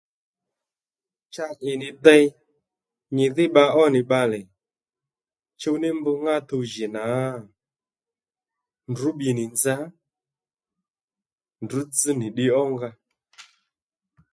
Cha ì nì dey nyi dhí bba ó nì bbalè chuw ní mbr ŋá tuw jì nǎ ndrǔ bbi nì nza ndrǔ dzí nì ddiy ó nga